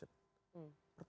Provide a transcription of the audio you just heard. pertanyaan macam apa itu